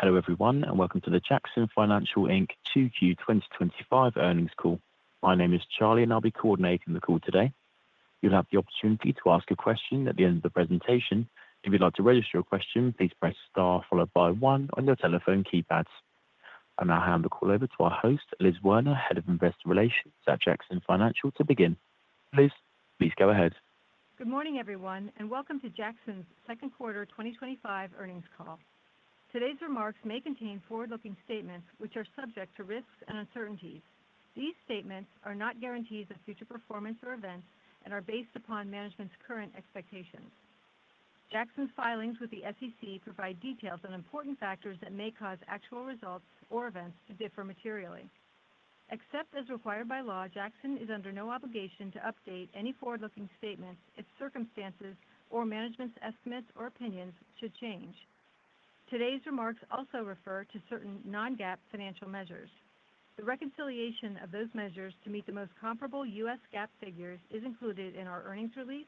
Hello everyone, and welcome to the Jackson Financial Inc. Q2 2025 earnings call. My name is Charlie, and I'll be coordinating the call today. You'll have the opportunity to ask a question at the end of the presentation. If you'd like to register a question, please press star followed by one on your telephone keypads. I now hand the call over to our host, Liz Werner, Head of Investor Relations at Jackson Financial, to begin. Liz, please go ahead. Good morning everyone, and welcome to Jackson Financial second quarter 2025 earnings call. Today's remarks may contain forward-looking statements, which are subject to risks and uncertainties. These statements are not guarantees of future performance or events and are based upon management's current expectations. Jackson Financial filings with the SEC provide details on important factors that may cause actual results or events to differ materially. Except as required by law, Jackson Financial is under no obligation to update any forward-looking statements if circumstances or management's estimates or opinions should change. Today's remarks also refer to certain non-GAAP financial measures. The reconciliation of those measures to the most comparable U.S. GAAP figures is included in our earnings release,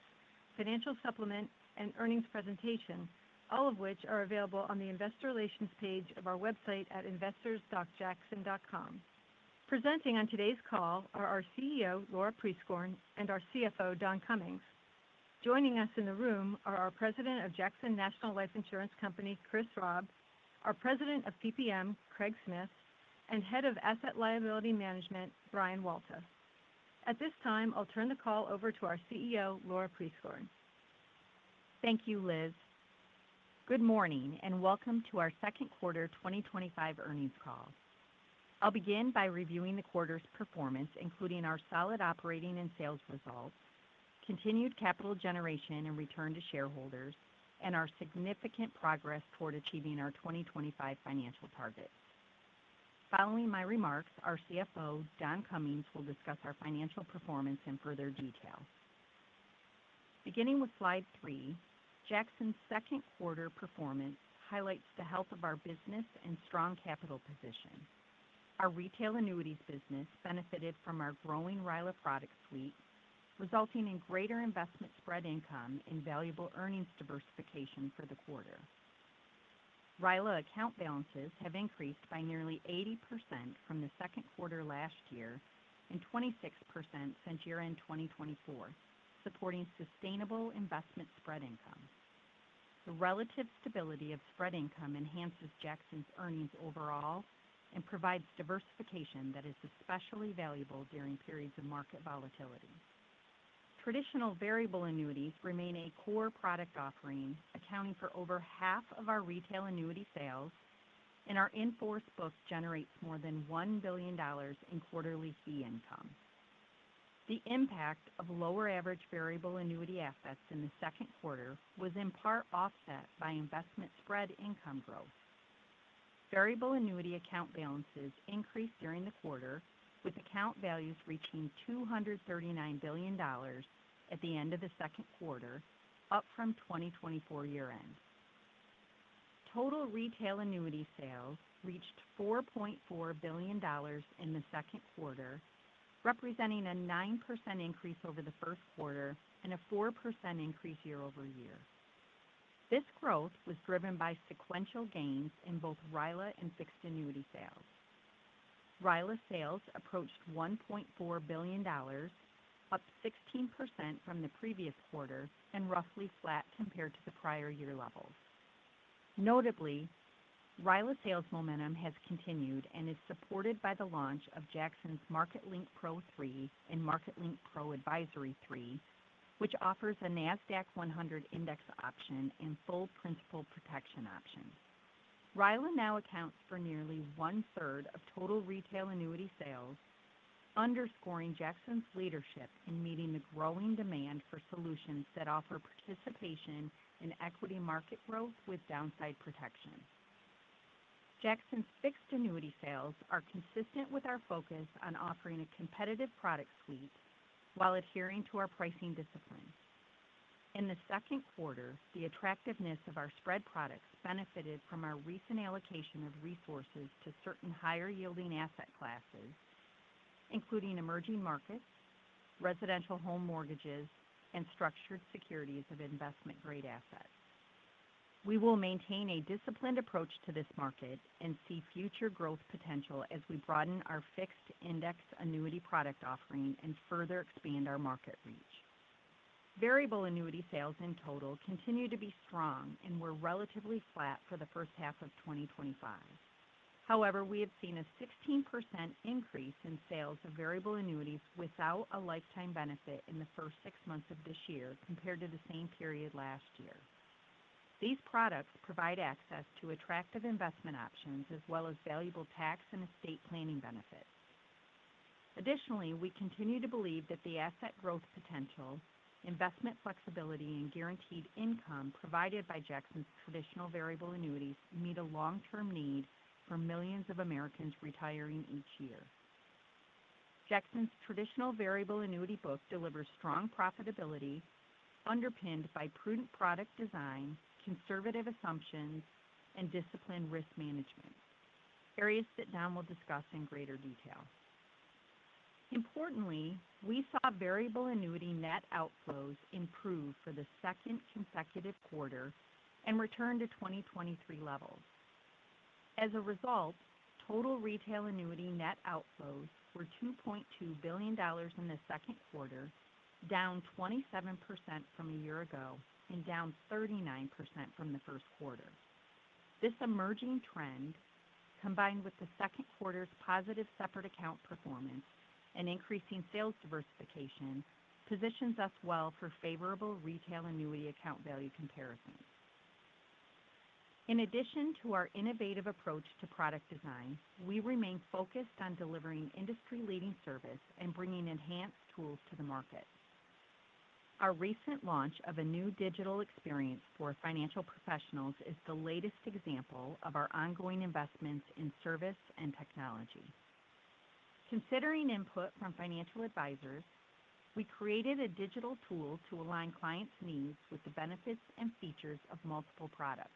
financial supplement, and earnings presentation, all of which are available on the Investor Relations page of our website at investors.jackson.com. Presenting on today's call are our CEO, Laura Prieskorn, and our CFO, Don Cummings. Joining us in the room are our President of Jackson National Life Insurance Company, Chris Raub, our President of PPM America, Craig Smith, and Head of Asset Liability Management, Brian Walter. At this time, I'll turn the call over to our CEO, Laura Prieskorn. Thank you, Liz. Good morning and welcome to our second quarter 2025 earnings call. I'll begin by reviewing the quarter's performance, including our solid operating and sales results, continued capital generation and return to shareholders, and our significant progress toward achieving our 2025 financial targets. Following my remarks, our CFO, Don Cummings, will discuss our financial performance in further detail. Beginning with slide three, Jackson's second quarter performance highlights the health of our business and strong capital position. Our retail annuities business benefited from our growing RILA suite, resulting in greater investment spread income and valuable earnings diversification for the quarter. RILA account balances have increased by nearly 80% from the second quarter last year and 26% since year-end 2024, supporting sustainable investment spread income. The relative stability of spread income enhances Jackson's earnings overall and provides diversification that is especially valuable during periods of market volatility. Traditional variable annuities remain a core product offering, accounting for over half of our retail annuity sales, and our in force books generate more than $1 billion in quarterly fee income. The impact of lower average variable annuity assets in the second quarter was in part offset by investment spread income growth. Variable annuity account balances increased during the quarter, with account values reaching $239 billion at the end of the second quarter, up from 2024 year-end. Total retail annuity sales reached $4.4 billion in the second quarter, representing a 9% increase over the first quarter and a 4% increase year over year. This growth was driven by sequential gains in both RILA and fixed annuity sales. RILA sales approached $1.4 billion, up 16% from the previous quarter and roughly flat compared to the prior year level. Notably, RILA sales momentum has continued and is supported by the launch of Jackson's MarketLink Pro 3 and MarketLink Pro Advisory 3, which offers a NASDAQ 100 index option and full principal protection option. RILA now accounts for nearly one-third of total retail annuity sales, underscoring Jackson's leadership in meeting the growing demand for solutions that offer participation in equity market growth with downside protection. Jackson's fixed annuity sales are consistent with our focus on offering a competitive product suite while adhering to our pricing discipline. In the second quarter, the attractiveness of our spread products benefited from our recent allocation of resources to certain higher yielding asset classes, including emerging markets, residential home mortgages and structured securities of investment-grade assets. We will maintain a disciplined approach to this market and see future growth potential as we broaden our fixed index annuity product offering and further expand our market reach. Variable annuity sales in total continue to be strong and were relatively flat for the first half of 2025. However, we have seen a 16% increase in sales of variable annuities without a lifetime benefit in the first six months of this year compared to the same period last year. These products provide access to attractive investment options as well as valuable tax and estate planning benefits. Additionally, we continue to believe that the asset growth potential, investment flexibility, and guaranteed income provided by Jackson's traditional variable annuities meet a long-term need for millions of Americans retiring each year. Jackson's traditional variable annuity books deliver strong profitability, underpinned by prudent product design, conservative assumptions, and disciplined risk management. Areas we will discuss in greater detail. Importantly, we saw variable annuity net outflows improve for the second consecutive quarter and return to 2023 levels. As a result, total retail annuity net outflows were $2.2 billion in the second quarter, down 27% from a year ago, and down 39% from the first quarter. This emerging trend, combined with the second quarter's positive separate account performance and increasing sales diversification, positions us well for favorable retail annuity account value comparison. In addition to our innovative approach to product design, we remain focused on delivering industry-leading service and bringing enhanced tools to the markets. Our recent launch of a new digital experience for financial professionals is the latest example of our ongoing investments in service and technology. Considering input from financial advisors, we created a digital tool to align clients' needs with the benefits and features of multiple products.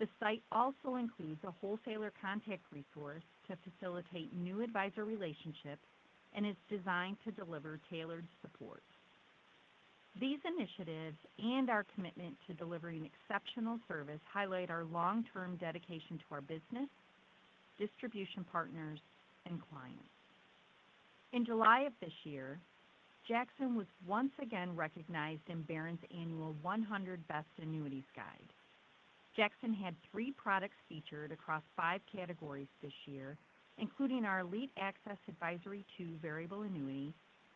The site also includes a wholesaler contact resource to facilitate new advisor relationships and is designed to deliver tailored support. These initiatives and our commitment to delivering exceptional service highlight our long-term dedication to our business, distribution partners, and clients. In July of this year, Jackson was once again recognized in Barron's annual 100 Best Annuities Guide. Jackson had three products featured across five categories this year, including our Elite Access Advisory 2 variable annuity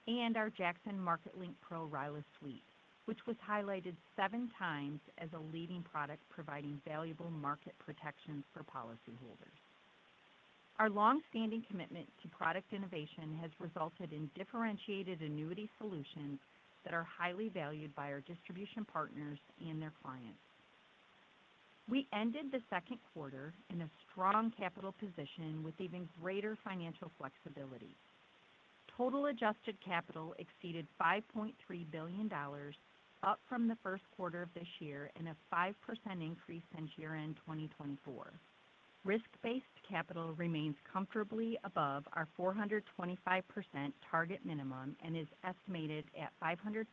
and our Jackson Market Link Pro RILA suite, which was highlighted seven times as a leading product, providing valuable market protection for policyholders. Our longstanding commitment to product innovation has resulted in differentiated annuity solutions that are highly valued by our distribution partners and their clients. We ended the second quarter in a strong capital position, with even greater financial flexibility. Total adjusted capital exceeded $5.3 billion, up from the first quarter of this year and a 5% increase since year-end 2024. Risk-based capital remains comfortably above our 425% target minimum and is estimated at 566%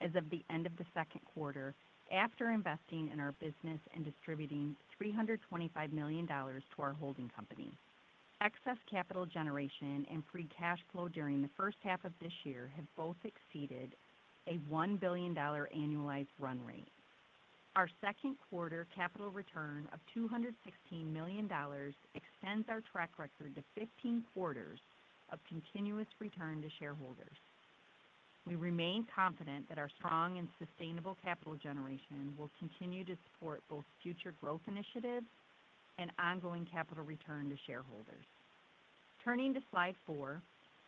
as of the end of the second quarter, after investing in our business and distributing $325 million to our holding company. Excess capital generation and free cash flow during the first half of this year have both exceeded a $1 billion annualized run rate. Our second quarter capital return of $216 million extends our track record to 15 quarters of continuous return to shareholders. We remain confident that our strong and sustainable capital generation will continue to support both future growth initiatives and ongoing capital return to shareholders. Turning to slide four,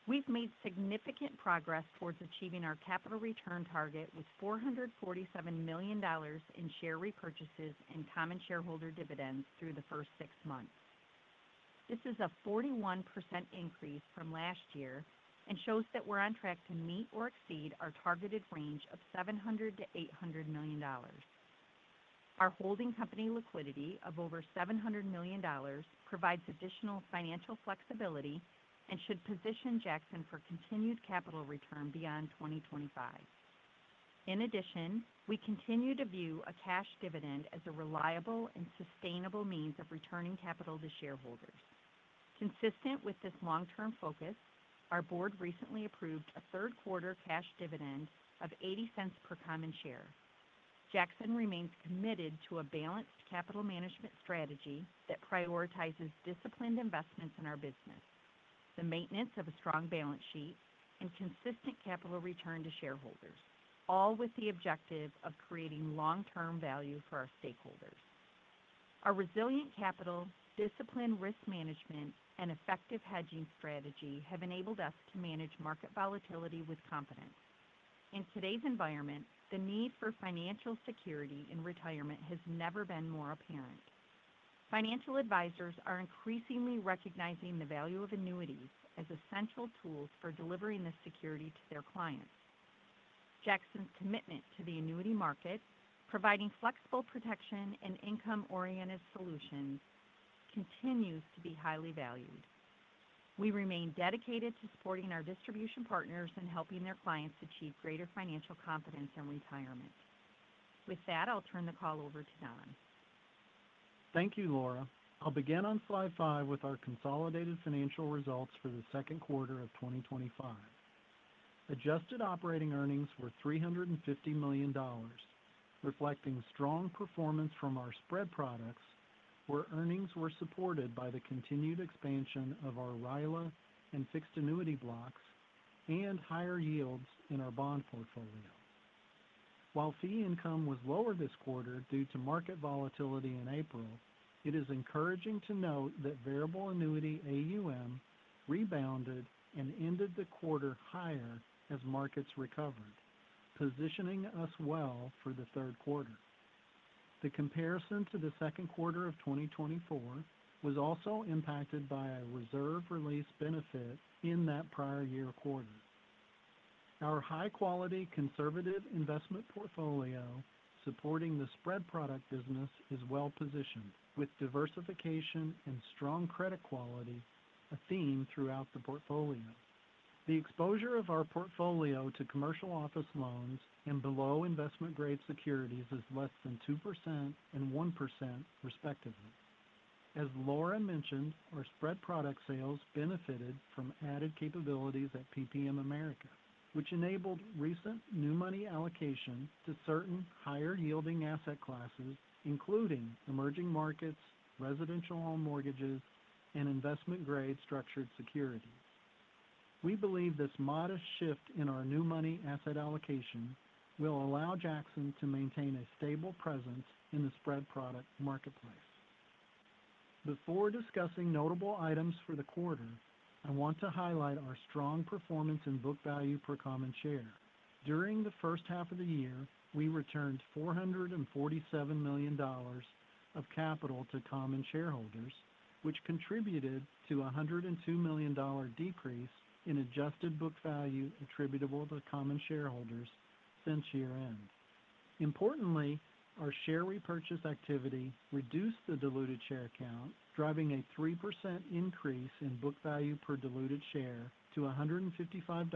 we've made significant progress towards achieving our capital return target with $447 million in share repurchases and common shareholder dividends through the first six months. This is a 41% increase from last year and shows that we're on track to meet or exceed our targeted range of $700 to $800 million. Our holding company liquidity of over $700 million provides additional financial flexibility and should position Jackson for continued capital return beyond 2025. In addition, we continue to view a cash dividend as a reliable and sustainable means of returning capital to shareholders. Consistent with this long-term focus, our board recently approved a third quarter cash dividend of $0.80 per common share. Jackson remains committed to a balanced capital management strategy that prioritizes disciplined investments in our business, the maintenance of a strong balance sheet, and consistent capital return to shareholders, all with the objective of creating long-term value for our stakeholders. Our resilient capital, disciplined risk management, and effective hedging strategy have enabled us to manage market volatility with confidence. In today's environment, the need for financial security in retirement has never been more apparent. Financial advisors are increasingly recognizing the value of annuities as essential tools for delivering the security to their clients. Jackson's commitment to the annuity market, providing flexible protection and income-oriented solutions, continues to be highly valued. We remain dedicated to supporting our distribution partners and helping their clients achieve greater financial confidence in retirement. With that, I'll turn the call over to Don. Thank you, Laura. I'll begin on slide five with our consolidated financial results for the second quarter of 2025. Adjusted operating earnings were $350 million, reflecting strong performance from our spread products, where earnings were supported by the continued expansion of our RILA and fixed annuity blocks and higher yields in our bond portfolio. While fee income was lower this quarter due to market volatility in April, it is encouraging to note that variable annuity AUM rebounded and ended the quarter higher as markets recovered, positioning us well for the third quarter. The comparison to the second quarter of 2024 was also impacted by a reserve release benefit in that prior year quarter. Our high-quality conservative investment portfolio supporting the spread product business is well positioned, with diversification and strong credit quality, a theme throughout the portfolio. The exposure of our portfolio to commercial office loans and below investment-grade securities is less than 2% and 1% respectively. As Laura mentioned, our spread product sales benefited from added capabilities at PPM America, which enabled recent new money allocation to certain higher yielding asset classes, including emerging markets, residential home mortgages, and investment-grade structured securities. We believe this modest shift in our new money asset allocation will allow Jackson to maintain a stable presence in the spread product marketplace. Before discussing notable items for the quarter, I want to highlight our strong performance in book value per common share. During the first half of the year, we returned $447 million of capital to common shareholders, which contributed to a $102 million decrease in adjusted book value attributable to common shareholders since year-end. Importantly, our share repurchase activity reduced the diluted share count, driving a 3% increase in book value per diluted share to $155.11.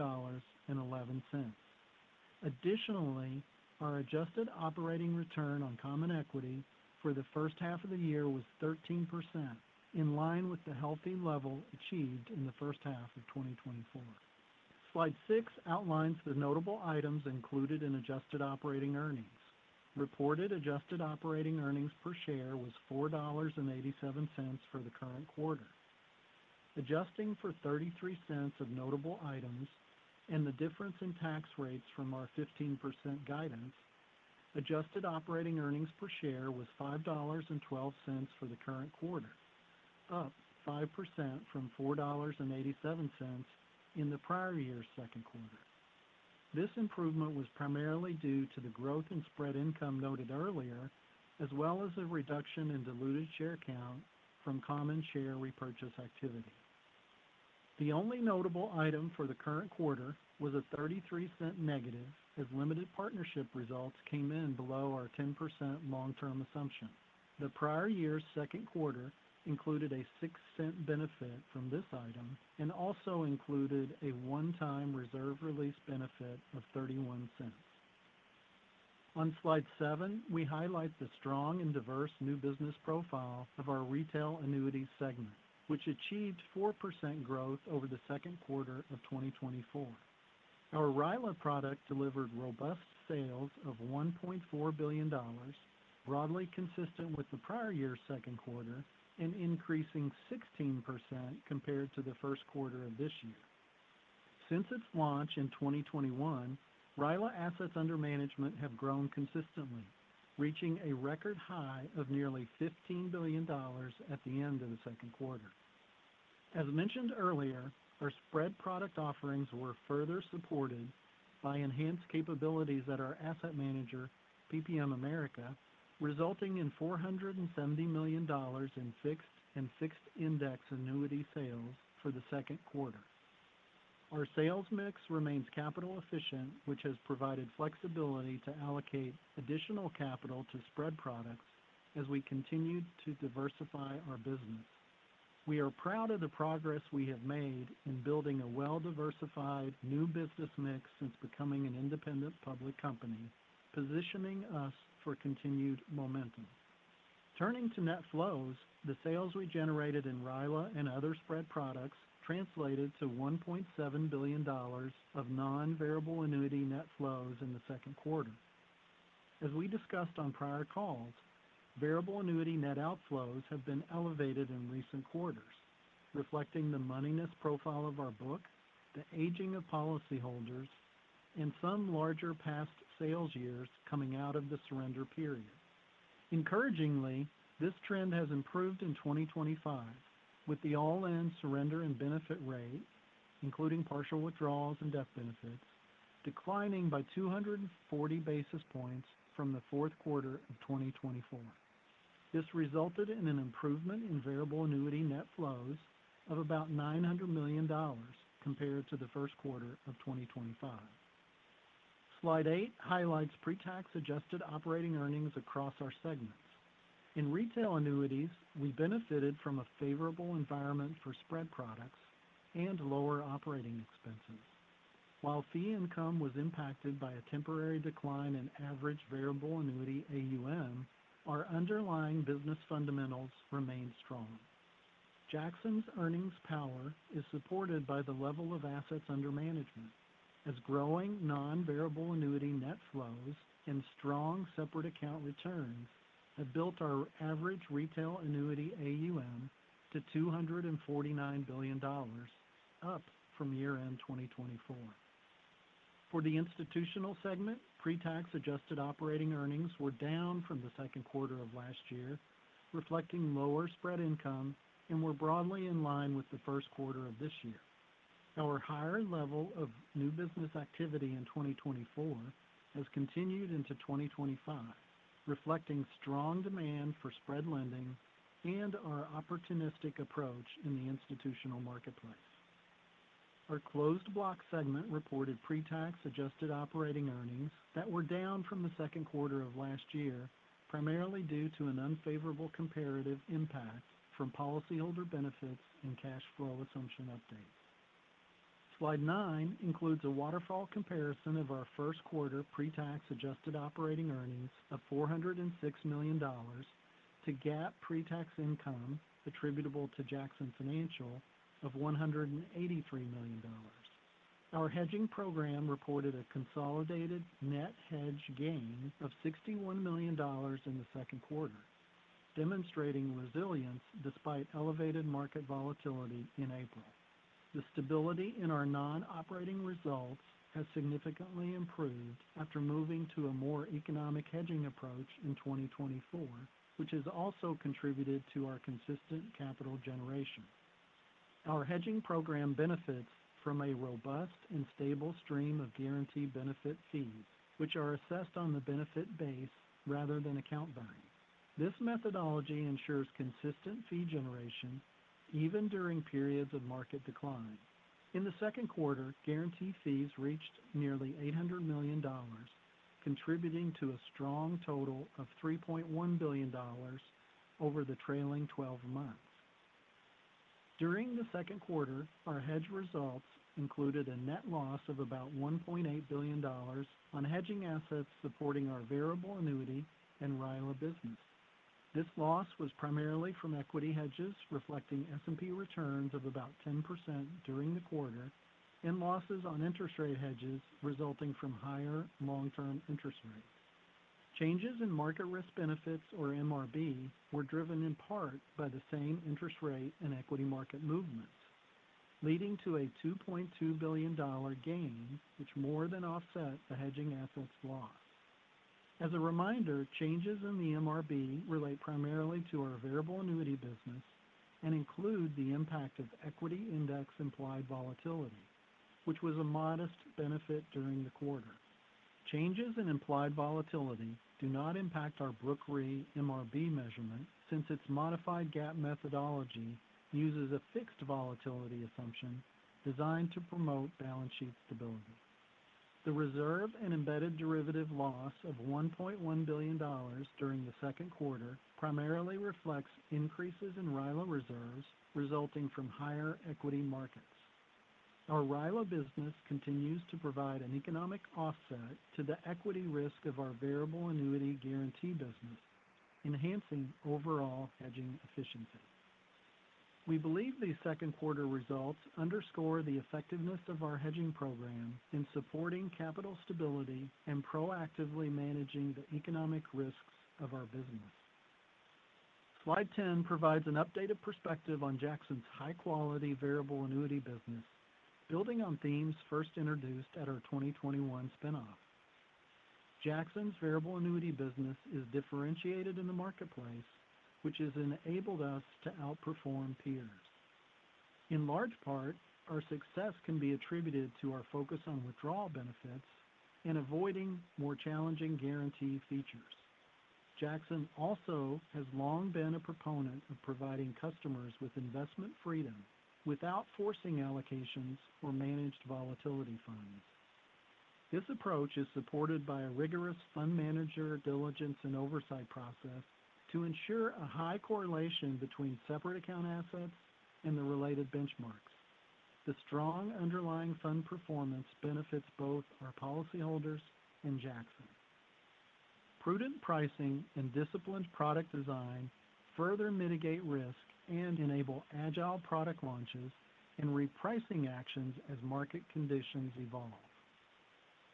Additionally, our adjusted operating return on common equity for the first half of the year was 13%, in line with the healthy level achieved in the first half of 2024. Slide six outlines the notable items included in adjusted operating earnings. Reported adjusted operating earnings per share was $4.87 for the current quarter. Adjusting for $0.33 of notable items and the difference in tax rates from our 15% guidance, adjusted operating earnings per share was $5.12 for the current quarter, up 5% from $4.87 in the prior year's second quarter. This improvement was primarily due to the growth in spread income noted earlier, as well as a reduction in diluted share count from common share repurchase activity. The only notable item for the current quarter was a $0.33 negative as limited partnership results came in below our 10% long-term assumption. The prior year's second quarter included a $0.06 benefit from this item and also included a one-time reserve release benefit of $0.31. On slide seven, we highlight the strong and diverse new business profile of our retail annuities segment, which achieved 4% growth over the second quarter of 2024. RILA product delivered robust sales of $1.4 billion, broadly consistent with the prior year's second quarter and increasing 16% compared to the first quarter of this year. Since its launch in 2021, RILA assets under management have grown consistently, reaching a record high of nearly $15 billion at the end of the second quarter. As mentioned earlier, our spread product offerings were further supported by enhanced capabilities at our asset manager, PPM America, resulting in $470 million in fixed and fixed index annuity sales for the second quarter. Our sales mix remains capital efficient, which has provided flexibility to allocate additional capital to spread products as we continued to diversify our business. We are proud of the progress we have made in building a well-diversified new business mix since becoming an independent public company, positioning us for continued momentum. Turning to net flows, the sales we generated in RILA and other spread products translated to $1.7 billion of non-variable annuity net flows in the second quarter. As we discussed on prior calls, variable annuity net outflows have been elevated in recent quarters, reflecting the moneyness profile of our book, the aging of policyholders, and some larger past sales years coming out of the surrender period. Encouragingly, this trend has improved in 2025, with the all-in surrender and benefit rate, including partial withdrawals and death benefits, declining by 240 basis points from the fourth quarter of 2024. This resulted in an improvement in variable annuity net flows of about $900 million compared to the first quarter of 2025. Slide eight highlights pre-tax adjusted operating earnings across our segments. In retail annuities, we benefited from a favorable environment for spread products and lower operating expenses. While fee income was impacted by a temporary decline in average variable annuity AUM, our underlying business fundamentals remained strong. Jackson earnings power is supported by the level of assets under management, as growing non-variable annuity net flows and strong separate account returns have built our average retail annuity AUM to $249 billion, up from year-end 2024. For the institutional segment, pre-tax adjusted operating earnings were down from the second quarter of last year, reflecting lower spread income and were broadly in line with the first quarter of this year. Our higher level of new business activity in 2024 has continued into 2025, reflecting strong demand for spread lending and our opportunistic approach in the institutional marketplace. Our closed block segment reported pre-tax adjusted operating earnings that were down from the second quarter of last year, primarily due to an unfavorable comparative impact from policyholder benefits and cash flow assumption updates. Slide nine includes a waterfall comparison of our first quarter pre-tax adjusted operating earnings of $406 million to GAAP pre-tax income attributable to Jackson Financial of $183 million. Our hedging program reported a consolidated net hedge gain of $61 million in the second quarter, demonstrating resilience despite elevated market volatility in April. The stability in our non-operating results has significantly improved after moving to a more economic hedging approach in 2024, which has also contributed to our consistent capital generation. Our hedging program benefits from a robust and stable stream of guaranteed benefit fees, which are assessed on the benefit base rather than account value. This methodology ensures consistent fee generation even during periods of market decline. In the second quarter, guaranteed fees reached nearly $800 million, contributing to a strong total of $3.1 billion over the trailing 12 months. During the second quarter, our hedge results included a net loss of about $1.8 billion on hedging assets supporting our variable annuity and RILA business. This loss was primarily from equity hedges, reflecting S&P returns of about 10% during the quarter and losses on interest rate hedges resulting from higher long-term interest rates. Changes in market risk benefits, or MRB, were driven in part by the same interest rate and equity market movements, leading to a $2.2 billion gain, which more than offset the hedging assets loss. As a reminder, changes in the MRB relate primarily to our variable annuity business and include the impact of equity index implied volatility, which was a modest benefit during the quarter. Changes in implied volatility do not impact our Brokery MRB measurement since its modified GAAP methodology uses a fixed volatility assumption designed to promote balance sheet stability. The reserve and embedded derivative loss of $1.1 billion during the second quarter primarily reflects increases in RILA reserves resulting from higher equity markets. Our RILA business continues to provide an economic offset to the equity risk of our variable annuity guarantee business, enhancing overall hedging efficiency. We believe these second quarter results underscore the effectiveness of our hedging program in supporting capital stability and proactively managing the economic risks of our business. Slide 10 provides an updated perspective on Jackson high-quality variable annuity business, building on themes first introduced at our 2021 spin-off. Jackson variable annuity business is differentiated in the marketplace, which has enabled us to outperform peers. In large part, our success can be attributed to our focus on withdrawal benefits and avoiding more challenging guarantee features. Jackson also has long been a proponent of providing customers with investment freedom without forcing allocations or managed volatility funds. This approach is supported by a rigorous fund manager diligence and oversight process to ensure a high correlation between separate account assets and the related benchmarks. The strong underlying fund performance benefits both our policyholders and Jackson. Prudent pricing and disciplined product design further mitigate risk and enable agile product launches and repricing actions as market conditions evolve.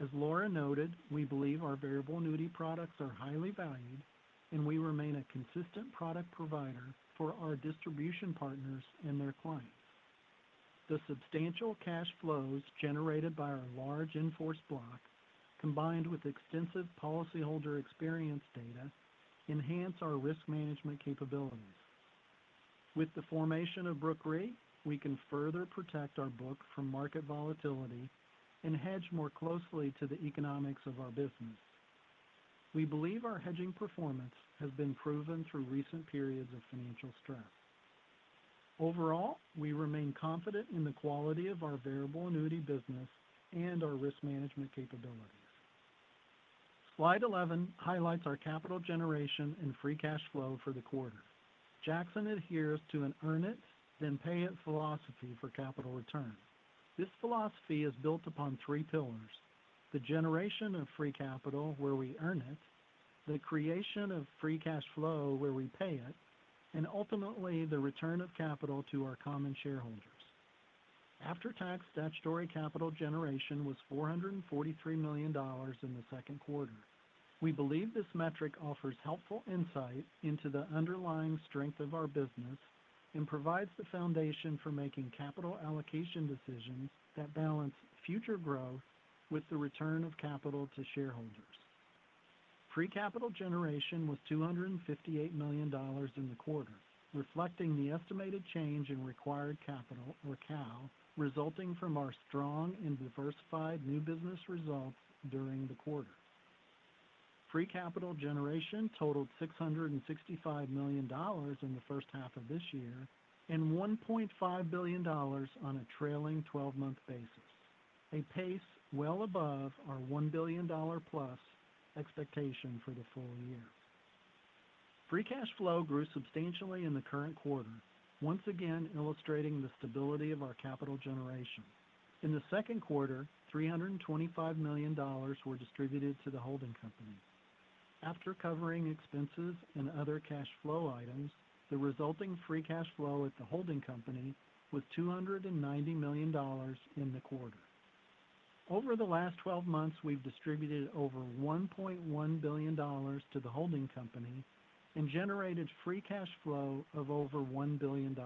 As Laura noted, we believe our variable annuity products are highly valued, and we remain a consistent product provider for our distribution partners and their clients. The substantial cash flows generated by our large in force block, combined with extensive policyholder experience data, enhance our risk management capabilities. With the formation of Brokery, we can further protect our book from market volatility and hedge more closely to the economics of our business. We believe our hedging performance has been proven through recent periods of financial stress. Overall, we remain confident in the quality of our variable annuity business and our risk management capabilities. Slide 11 highlights our capital generation and free cash flow for the quarter. Jackson adheres to an earn it, then pay it philosophy for capital return. This philosophy is built upon three pillars: the generation of free capital where we earn it, the creation of free cash flow where we pay it, and ultimately the return of capital to our common shareholders. After-tax statutory capital generation was $443 million in the second quarter. We believe this metric offers helpful insight into the underlying strength of our business and provides the foundation for making capital allocation decisions that balance future growth with the return of capital to shareholders. Free capital generation was $258 million in the quarter, reflecting the estimated change in required capital, or CAC, resulting from our strong and diversified new business results during the quarter. Free capital generation totaled $665 million in the first half of this year and $1.5 billion on a trailing 12-month basis, a pace well above our $1 billion plus expectation for the full year. Free cash flow grew substantially in the current quarter, once again illustrating the stability of our capital generation. In the second quarter, $325 million were distributed to the holding company. After covering expenses and other cash flow items, the resulting free cash flow at the holding company was $290 million in the quarter. Over the last 12 months, we've distributed over $1.1 billion to the holding company and generated free cash flow of over $1 billion.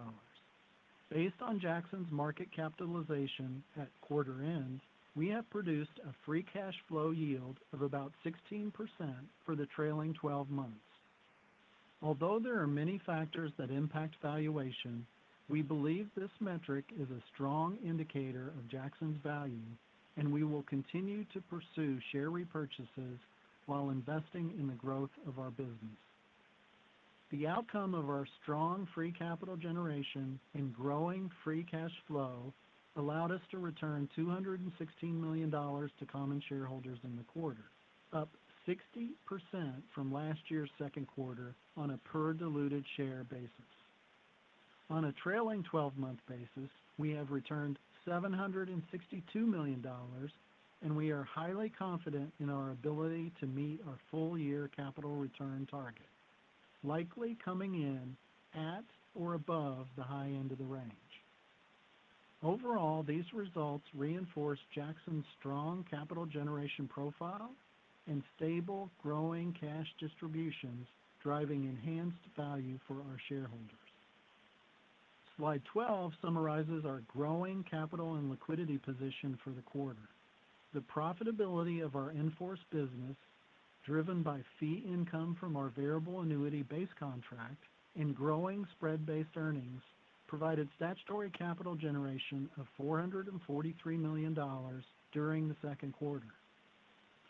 Based on Jackson's market capitalization at quarter end, we have produced a free cash flow yield of about 16% for the trailing 12 months. Although there are many factors that impact valuation, we believe this metric is a strong indicator of Jackson's value, and we will continue to pursue share repurchases while investing in the growth of our business. The outcome of our strong free capital generation and growing free cash flow allowed us to return $216 million to common shareholders in the quarter, up 60% from last year's second quarter on a per diluted share basis. On a trailing 12-month basis, we have returned $762 million, and we are highly confident in our ability to meet our full-year capital return target, likely coming in at or above the high end of the range. Overall, these results reinforce Jackson's strong capital generation profile and stable, growing cash distributions, driving enhanced value for our shareholders. Slide 12 summarizes our growing capital and liquidity position for the quarter. The profitability of our inforce business, driven by fee income from our variable annuity-based contract and growing spread-based earnings, provided statutory capital generation of $443 million during the second quarter.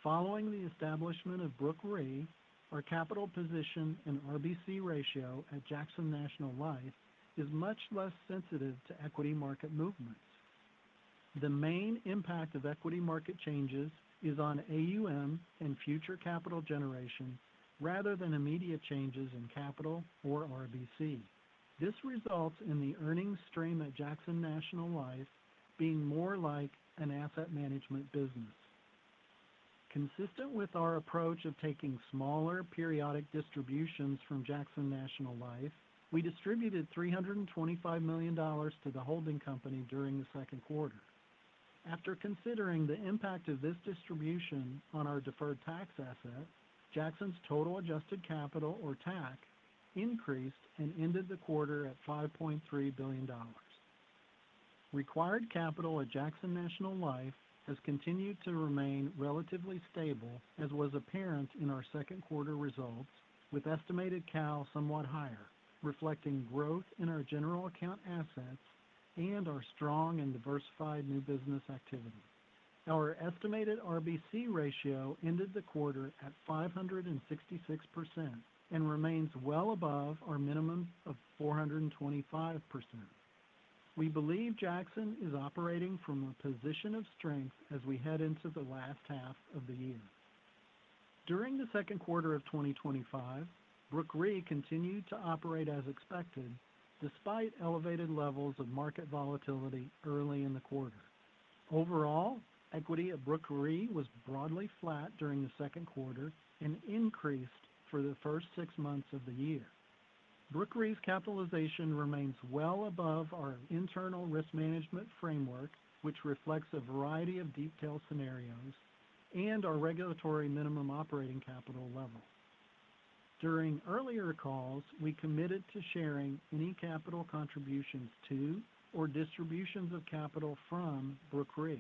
Following the establishment of brokery, our capital position and RBC ratio at Jackson National Life is much less sensitive to equity market movements. The main impact of equity market changes is on AUM and future capital generation rather than immediate changes in capital or RBC. This results in the earnings stream at Jackson National Life being more like an asset management business. Consistent with our approach of taking smaller periodic distributions from Jackson National Life, we distributed $325 million to the holding company during the second quarter. After considering the impact of this distribution on our deferred tax asset, Jackson's total adjusted capital, or TAC, increased and ended the quarter at $5.3 billion. Required capital at Jackson National Life has continued to remain relatively stable, as was apparent in our second quarter results, with estimated CAC somewhat higher, reflecting growth in our general account assets and our strong and diversified new business activity. Our estimated RBC ratio ended the quarter at 566% and remains well above our minimum of 425%. We believe Jackson is operating from a position of strength as we head into the last half of the year. During the second quarter of 2025, brokery continued to operate as expected despite elevated levels of market volatility early in the quarter. Overall, equity at brokery was broadly flat during the second quarter and increased for the first six months of the year. Brokery's capitalization remains well above our internal risk management framework, which reflects a variety of detailed scenarios and our regulatory minimum operating capital level. During earlier calls, we committed to sharing any capital contributions to or distributions of capital from brokery,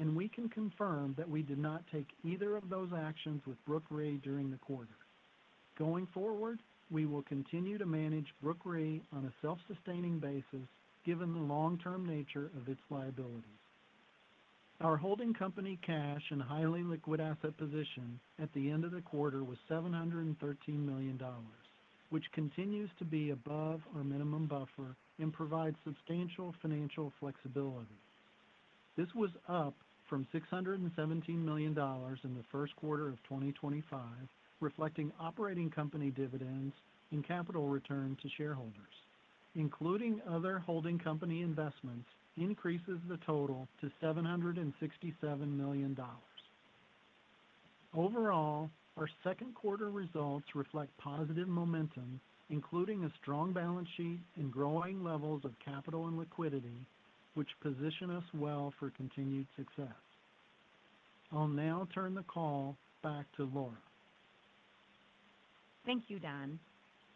and we can confirm that we did not take either of those actions with brokery during the quarter. Going forward, we will continue to manage brokery on a self-sustaining basis, given the long-term nature of its liabilities. Our holding company cash and highly liquid asset position at the end of the quarter was $713 million, which continues to be above our minimum buffer and provides substantial financial flexibility. This was up from $617 million in the first quarter of 2025, reflecting operating company dividends and capital return to shareholders. Including other holding company investments increases the total to $767 million. Overall, our second quarter results reflect positive momentum, including a strong balance sheet and growing levels of capital and liquidity, which position us well for continued success. I'll now turn the call back to Laura. Thank you, Don.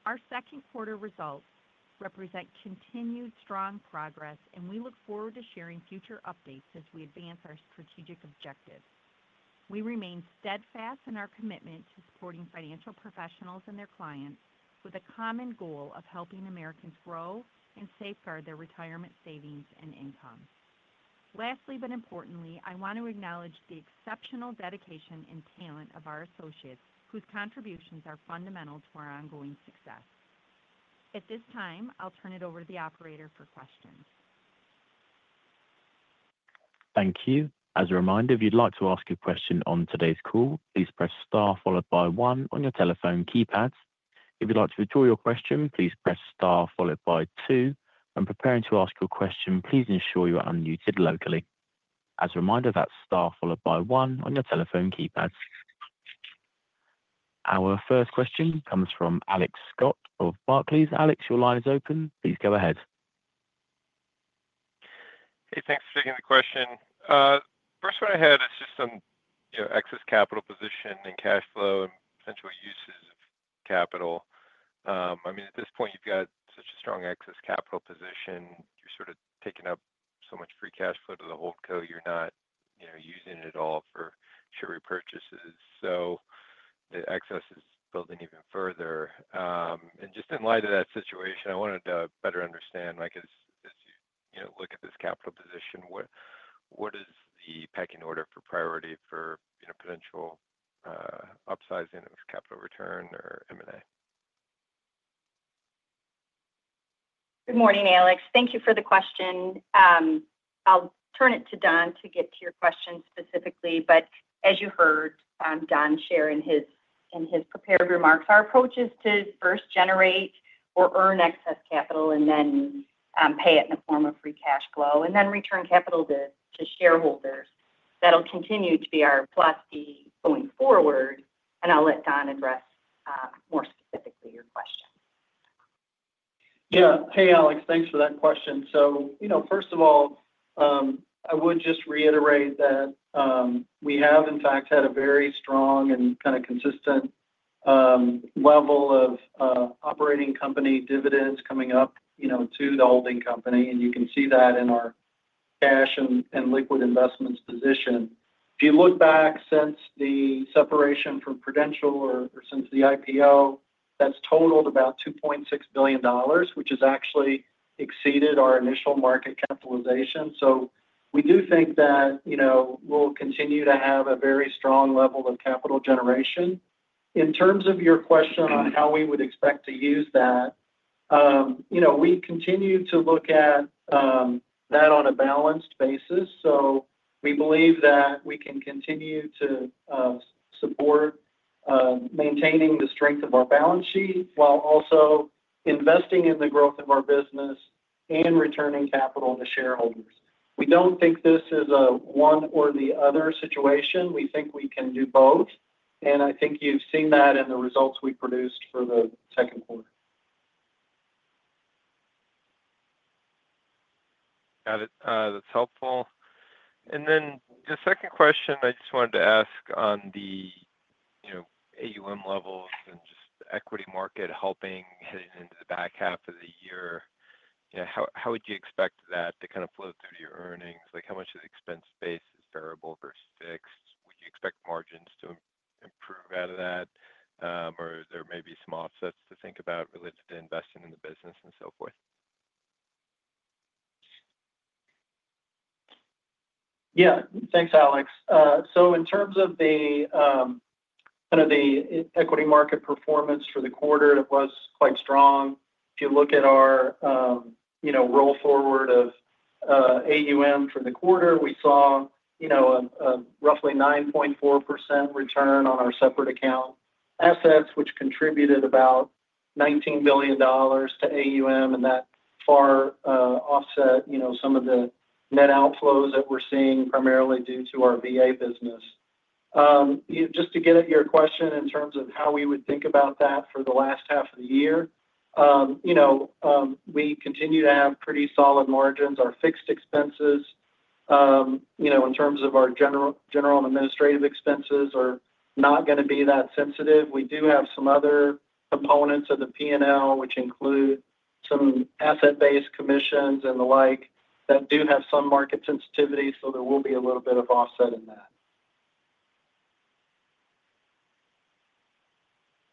Our second quarter results represent continued strong progress, and we look forward to sharing future updates as we advance our strategic objectives. We remain steadfast in our commitment to supporting financial professionals and their clients with a common goal of helping Americans grow and safeguard their retirement savings and income. Lastly, but importantly, I want to acknowledge the exceptional dedication and talent of our associates, whose contributions are fundamental to our ongoing success. At this time, I'll turn it over to the operator for questions. Thank you. As a reminder, if you'd like to ask a question on today's call, please press star, followed by one on your telephone keypad. If you'd like to withdraw your question, please press star, followed by two. When preparing to ask your question, please ensure you're unmuted locally. As a reminder, that's star, followed by one on your telephone keypad. Our first question comes from Alex Scott of Barclays. Alex, your line is open. Please go ahead. Hey, thanks for taking the question. First one I had is just on, you know, excess capital position and cash flow and potential uses of capital. At this point, you've got such a strong excess capital position. You've sort of taken up so much free cash flow to the holdco you're not, you know, using it at all for share repurchases, so the excess is building even further. Just in light of that situation, I wanted to better understand, like, as you, you know, look at this capital position, what is the pecking order for priority for, you know, potential upsizing of capital return or M&A? Good morning, Alex. Thank you for the question. I'll turn it to Don to get to your question specifically. As you heard Don share in his prepared remarks, our approach is to first generate or earn excess capital and then pay it in the form of free cash flow and then return capital to shareholders. That'll continue to be our philosophy going forward. I'll let Don address more specifically your question. Yeah. Hey, Alex, thanks for that question. First of all, I would just reiterate that we have, in fact, had a very strong and kind of consistent level of operating company dividends coming up to the holding company. You can see that in our cash and liquid investments position. If you look back since the separation from Prudential or since the IPO, that's totaled about $2.6 billion, which has actually exceeded our initial market capitalization. We do think that we'll continue to have a very strong level of capital generation. In terms of your question on how we would expect to use that, we continue to look at that on a balanced basis, so we believe that we can continue to support maintaining the strength of our balance sheet while also investing in the growth of our business and returning capital to shareholders. We don't think this is a one or the other situation. We think we can do both. I think you've seen that in the results we produced for the second quarter. Got it. That's helpful. The second question I just wanted to ask on the AUM levels and just the equity market helping heading into the back half of the year. How would you expect that to kind of flow through to your earnings? Like, how much of the expense base is variable versus fixed? Would you expect margins to improve out of that? Or there may be some offsets to think about related to investing in the business and so forth. Yeah, thanks, Alex. In terms of the kind of the equity market performance for the quarter, it was quite strong. If you look at our roll forward of AUM from the quarter, we saw roughly 9.4% return on our separate account assets, which contributed about $19 billion to AUM. That far offset some of the net outflows that we're seeing primarily due to our VA business. Just to get at your question in terms of how we would think about that for the last half of the year, you know, we continue to have pretty solid margins. Our fixed expenses in terms of our general and administrative expenses are not going to be that sensitive. We do have some other components of the P&L, which include some asset-based commissions and the like, that do have some market sensitivity. There will be a little bit of offset in that.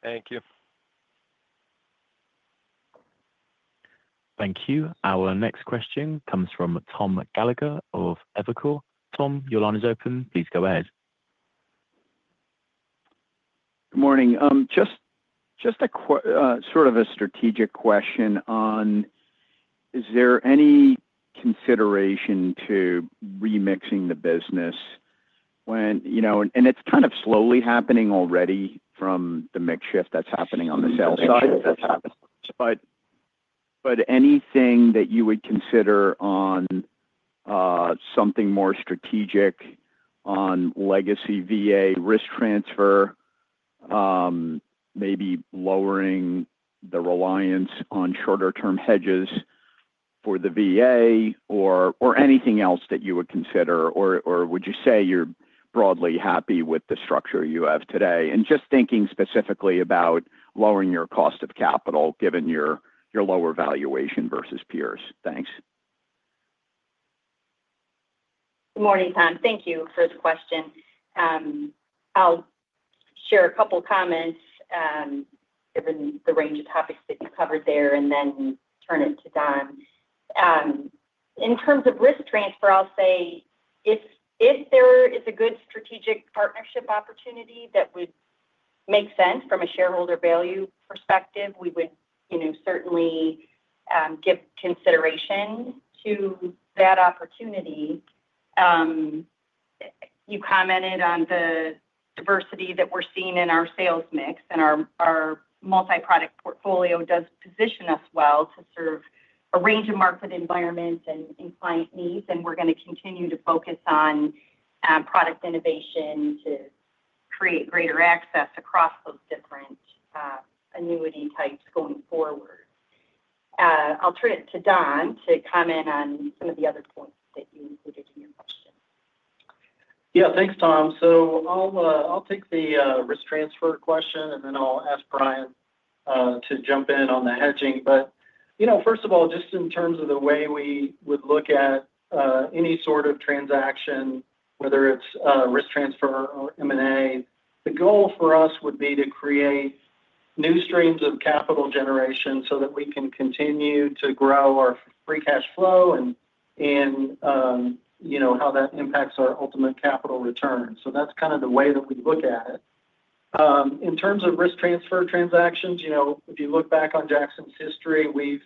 Thank you. Thank you. Our next question comes from Tom Gallagher of Evercore. Tom, your line is open. Please go ahead. Good morning. Just a sort of a strategic question on, is there any consideration to remixing the business when, you know, it's kind of slowly happening already from the makeshift that's happening on the sales side that's happening, but anything that you would consider on something more strategic on legacy VA risk transfer, maybe lowering the reliance on shorter-term hedges for the VA or anything else that you would consider, or would you say you're broadly happy with the structure you have today? Just thinking specifically about lowering your cost of capital, given your lower valuation versus peers. Thanks. Good morning, Tom. Thank you for the question. I'll share a couple of comments given the range of topics that you covered there, and then turn it to Don. In terms of risk transfer, I'll say if there is a good strategic partnership opportunity that would make sense from a shareholder value perspective, we would certainly give consideration to that opportunity. You commented on the diversity that we're seeing in our sales mix, and our multi-product portfolio does position us well to serve a range of market environments and client needs. We're going to continue to focus on product innovation to create greater access across those different annuity types going forward. I'll turn it to Don to comment on some of the other points that you included in your question. Yeah, thanks, Tom. I'll take the risk transfer question, and then I'll ask Brian to jump in on the hedging. First of all, just in terms of the way we would look at any sort of transaction, whether it's a risk transfer or M&A, the goal for us would be to create new streams of capital generation so that we can continue to grow our free cash flow and how that impacts our ultimate capital return. That's kind of the way that we look at it. In terms of risk transfer transactions, if you look back on Jackson history, we've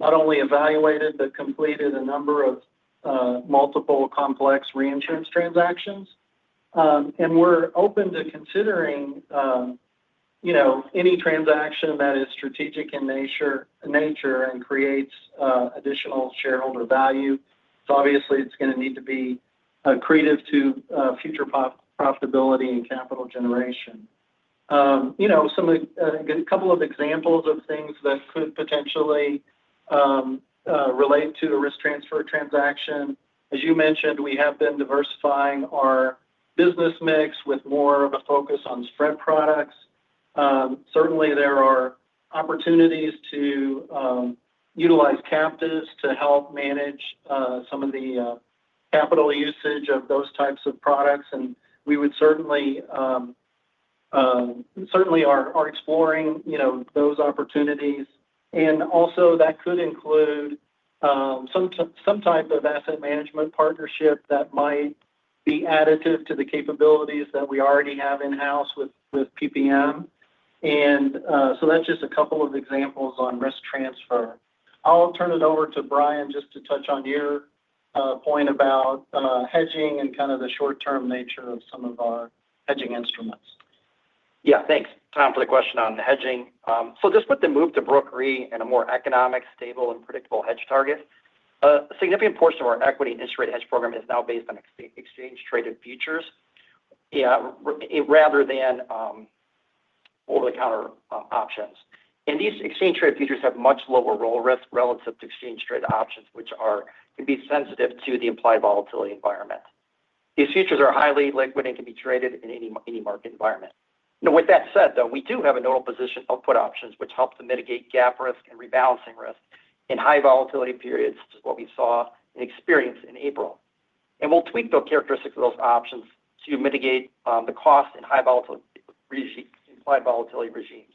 not only evaluated but completed a number of multiple complex reinsurance transactions. We're open to considering any transaction that is strategic in nature and creates additional shareholder value. Obviously, it's going to need to be accretive to future profitability and capital generation. Some, couple of examples of things that could potentially relate to a risk transfer transaction: as you mentioned, we have been diversifying our business mix with more of a focus on spread products. Certainly, there are opportunities to utilize captives to help manage some of the capital usage of those types of products. We certainly are exploring those opportunities. Also, that could include some types of asset management partnerships that might be additive to the capabilities that we already have in-house with PPM America. That's just a couple of examples on risk transfer. I'll turn it over to Brian to touch on your point about hedging and the short-term nature of some of our hedging instruments. Yeah, thanks, Tom, for the question on hedging. Just with the move to brokery and a more economic, stable, and predictable hedge target, a significant portion of our equity and interest rate hedge program is now based on exchange-traded futures, rather than over-the-counter options. These exchange-traded futures have much lower risk relative to exchange-traded options, which can be sensitive to the implied volatility environment. These futures are highly liquid and can be traded in any market environment. With that said, we do have a normal position of put options, which help to mitigate gap risk and rebalancing risk in high volatility periods, just what we saw and experienced in April. We'll tweak the characteristics of those options to mitigate the cost in high volatility regimes.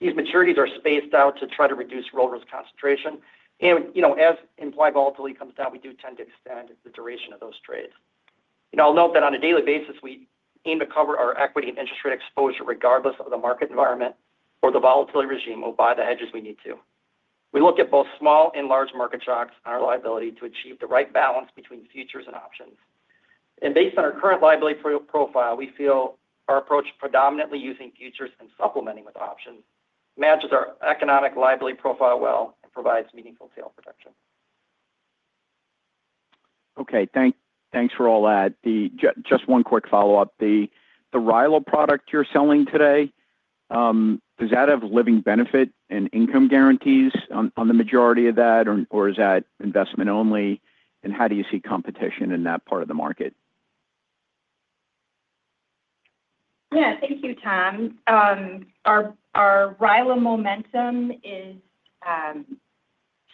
These maturities are spaced out to try to reduce roller's concentration. As implied volatility comes down, we do tend to extend the duration of those trades. I'll note that on a daily basis, we aim to cover our equity and interest rate exposure regardless of the market environment or the volatility regime or buy the hedges we need to. We look at both small and large market shocks on our liability to achieve the right balance between futures and options. Based on our current liability profile, we feel our approach predominantly using futures and supplementing with options matches our economic liability profile well and provides meaningful sale protection. Okay, thanks for all that. Just one quick follow-up. The RILA product you're selling today, does that have living benefit and income guarantees on the majority of that, or is that investment only? How do you see competition in that part of the market? Yeah, thank you, Tom. Our RILA momentum is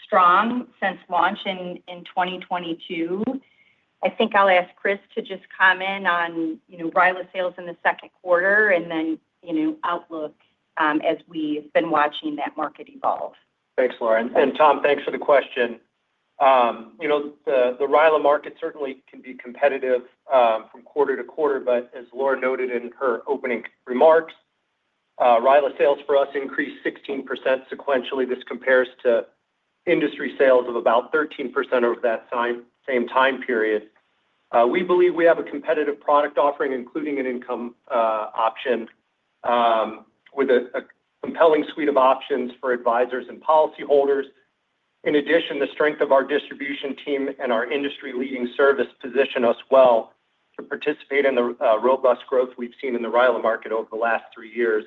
strong since launch in 2022. I think I'll ask Chris to just comment on, you know, RILA sales in the second quarter and then, you know, outlook as we've been watching that market evolve. Thanks, Laura. Tom, thanks for the question. You know, the RILA market certainly can be competitive from quarter to quarter, but as Laura noted in her opening remarks, RILA sales for us increased 16% sequentially. This compares to industry sales of about 13% over that same time period. We believe we have a competitive product offering, including an income option, with a compelling suite of options for advisors and policyholders. In addition, the strength of our distribution team and our industry-leading service position us well to participate in the robust growth we've seen in the RILA market over the last three years.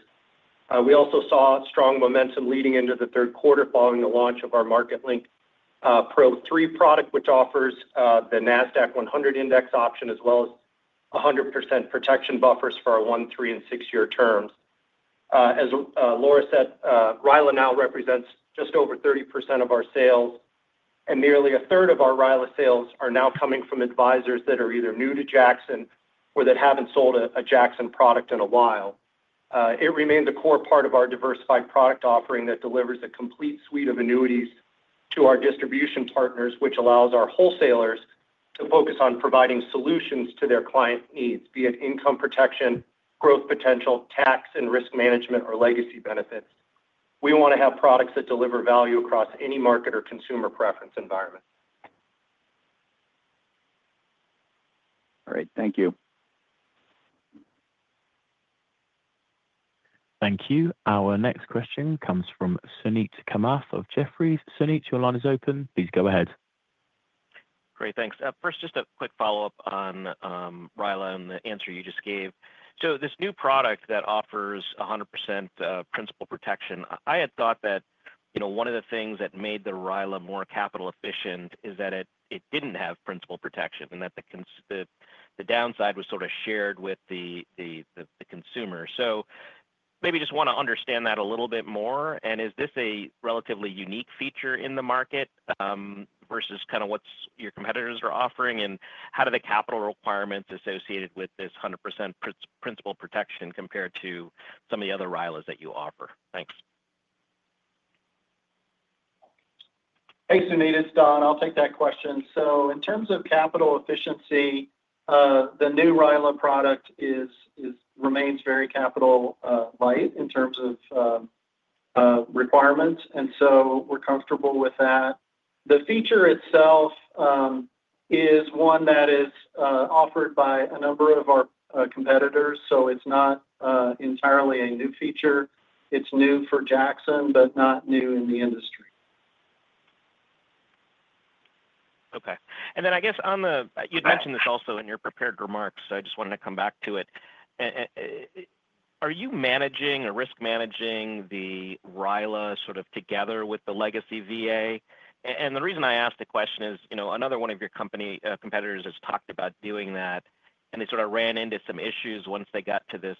We also saw strong momentum leading into the third quarter following the launch of our Market Link Pro 3 product, which offers the NASDAQ 100 index option, as well as 100% protection buffers for our one, three, and six-year terms. As Laura said, RILA now represents just over 30% of our sales, and nearly a third of our RILA sales are now coming from advisors that are either new to Jackson or that haven't sold a Jackson product in a while. It remains a core part of our diversified product offering that delivers a complete suite of annuities to our distribution partners, which allows our wholesalers to focus on providing solutions to their client needs, be it income protection, growth potential, tax and risk management, or legacy benefit. We want to have products that deliver value across any market or consumer preference environment. All right, thank you. Thank you. Our next question comes from Suneet Kamath of Jefferies. Suneet, your line is open. Please go ahead. Great, thanks. First, just a quick follow-up on RILA and the answer you just gave. This new product that offers 100% principal protection, I had thought that one of the things that made the RILA more capital efficient is that it didn't have principal protection and that the downside was sort of shared with the consumer. Maybe I just want to understand that a little bit more. Is this a relatively unique feature in the market versus what your competitors are offering? How do the capital requirements associated with this 100% principal protection compare to some of the other RILAs that you offer? Thanks. Hey, Suneet, it's Don. I'll take that question. In terms of capital efficiency, the new RILA product remains very capital-light in terms of requirements, and we're comfortable with that. The feature itself is one that is offered by a number of our competitors. It's not entirely a new feature. It's new for Jackson, but not new in the industry. Okay. I guess on the, you had mentioned this also in your prepared remarks, so I just wanted to come back to it. Are you managing or risk managing the RILA sort of together with the legacy VA? The reason I asked the question is, you know, another one of your company competitors has talked about doing that, and they sort of ran into some issues once they got to this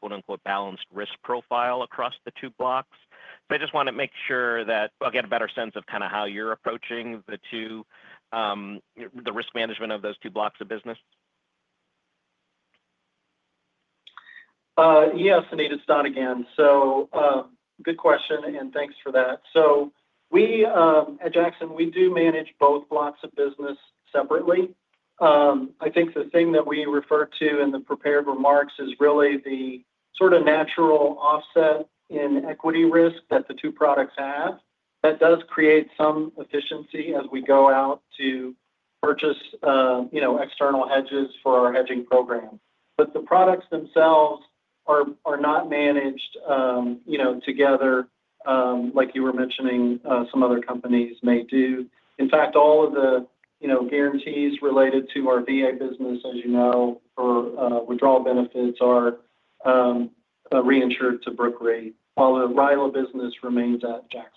quote-unquote "balanced risk profile" across the two blocks. I just want to make sure that I get a better sense of kind of how you're approaching the two, the risk management of those two blocks of business. Yeah, Suneet, it's Don again. Good question, and thanks for that. We at Jackson, we do manage both blocks of business separately. I think the thing that we refer to in the prepared remarks is really the sort of natural offset in equity risk that the two products have. That does create some efficiency as we go out to purchase external hedges for our hedging program. The products themselves are not managed together like you were mentioning some other companies may do. In fact, all of the guarantees related to our VA business, as you know, or withdrawal benefits are reinsured to Brokery. All the RILA business remains at Jackson.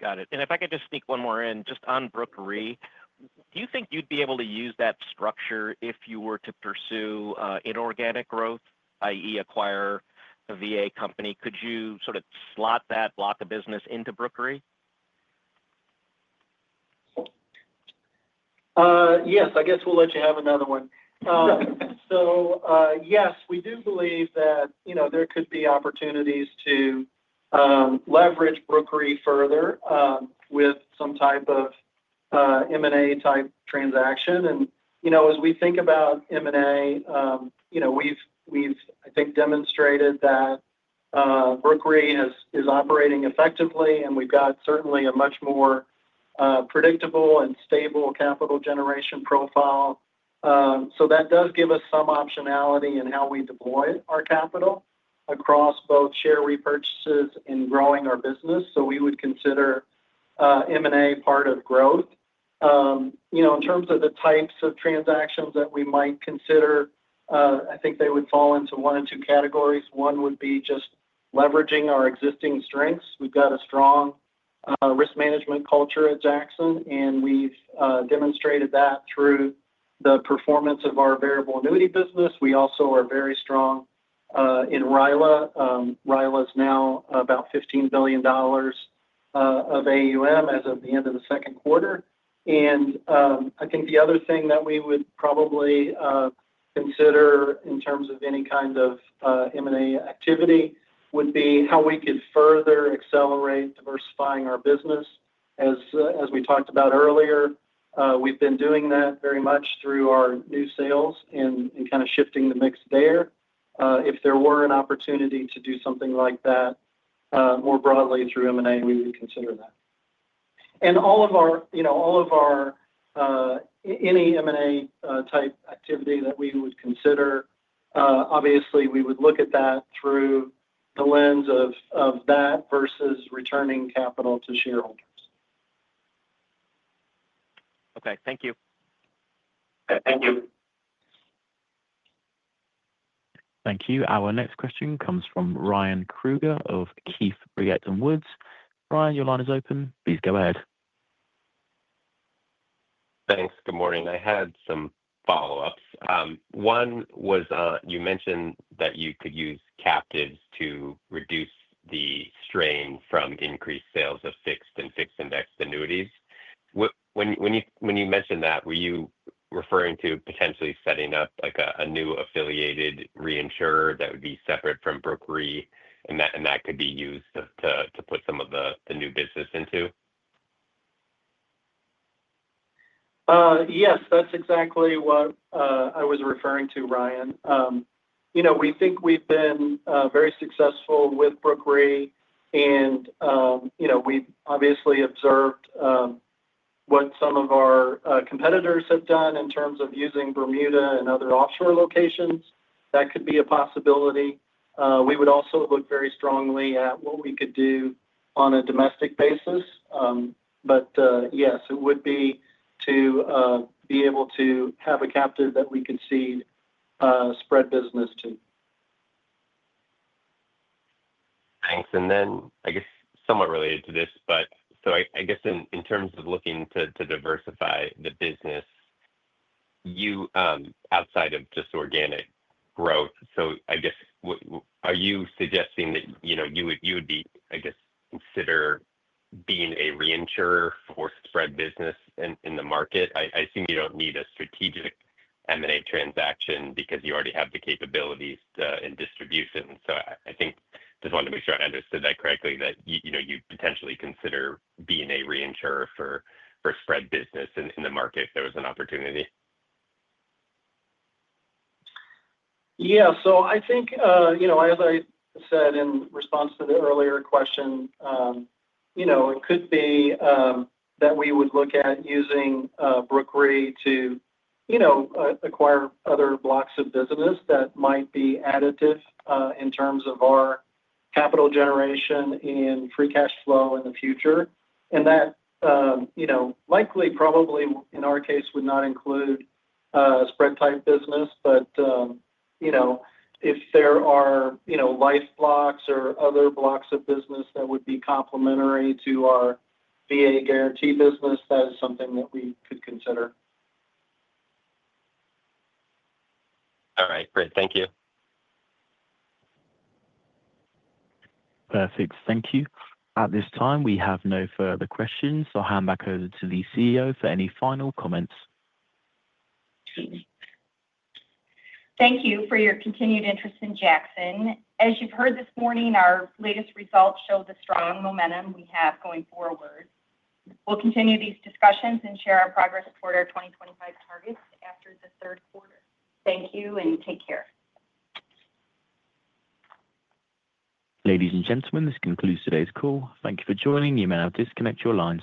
Got it. If I could just sneak one more in, just on brokery, do you think you'd be able to use that structure if you were to pursue inorganic growth, i.e., acquire a VA company? Could you sort of slot that block of business into Brokery? Yes, I guess we'll let you have another one. Yes, we do believe that there could be opportunities to leverage Brokery further with some type of M&A type transaction. As we think about M&A, you know, we've demonstrated that Brokery is operating effectively, and we've got certainly a much more predictable and stable capital generation profile. That does give us some optionality in how we deploy our capital across both share repurchases and growing our business. We would consider M&A part of growth. In terms of the types of transactions that we might consider, I think they would fall into one or two categories. One would be just leveraging our existing strengths. We've got a strong risk management culture at Jackson, and we've demonstrated that through the performance of our variable annuity business. We also are very strong in RILA. RILA is now about $15 billion of AUM as of the end of the second quarter. I think the other thing that we would probably consider in terms of any kind of M&A activity would be how we could further accelerate diversifying our business. As we talked about earlier, we've been doing that very much through our new sales and kind of shifting the mix there. If there were an opportunity to do something like that more broadly through M&A, we would consider that. All of our, any M&A type activity that we would consider, obviously, we would look at that through the lens of that versus returning capital to shareholders. Okay, thank you. Thank you. Our next question comes from Ryan Krueger of Keefe, Bruyette and Woods. Ryan, your line is open. Please go ahead. Thanks. Good morning. I had some follow-ups. One was, you mentioned that you could use captives to reduce the strain from increased sales of fixed and fixed index annuities. When you mentioned that, were you referring to potentially setting up like a new affiliated reinsurer that would be separate from Brokery and that could be used to put some of the new business into? Yes, that's exactly what I was referring to, Ryan. We think we've been very successful with brokery, and we've obviously observed what some of our competitors have done in terms of using Bermuda and other offshore locations, that could be a possibility. We would also look very strongly at what we could do on a domestic basis, but yes, it would be to be able to have a captive that we could seed spread business to. Thanks. I guess somewhat related to this, but I guess in terms of looking to diversify the business outside of just organic growth, so I guess, are you suggesting that you would consider being a reinsurer for spread business in the market? I assume you don't need a strategic M&A transaction because you already have the capabilities in distribution. I just wanted to make sure I understood that correctly, that you'd potentially consider being a reinsurer for spread business in the market if there was an opportunity. Yeah, I think, as I said in response to the earlier question, it could be that we would look at using brokery to acquire other blocks of business that might be additive in terms of our capital generation and free cash flow in the future. That likely, probably in our case, would not include spread type business, but, you know, If there are, you know, life blocks or other blocks of business that would be complementary to our VA guarantee business, that is something that we could consider. All right, great. Thank you. Perfect. Thank you. At this time, we have no further questions. I'll hand back over to the CEO for any final comments. Thank you for your continued interest in Jackson Financial Inc. As you've heard this morning, our latest results show the strong momentum we have going forward. We'll continue these discussions and share our progress toward our 2025 targets after the third quarter. Thank you and take care. Ladies and gentlemen, this concludes today's call. Thank you for joining, you may now disconnect your lines.